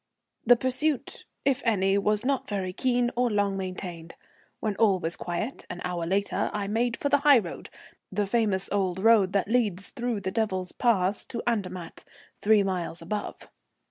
The pursuit, if any, was not very keen or long maintained. When all was quiet, an hour later I made for the highroad, the famous old road that leads through the Devil's Pass to Andermatt, three miles above.